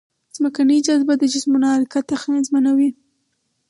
ځمکنۍ جاذبه د جسمونو حرکت اغېزمنوي.